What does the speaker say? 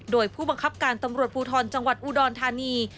โดยผู้บังคับการตำรวจภูทรจังหวัดอุดรธานี